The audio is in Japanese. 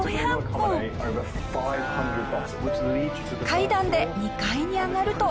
階段で２階に上がると。